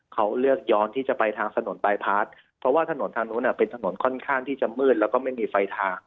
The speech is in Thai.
เขาเลือกย้อนที่จะไปทางถนนบายพาร์ทเพราะว่าถนนทางนู้นเป็นถนนค่อนข้างที่จะมืดแล้วก็ไม่มีไฟทาง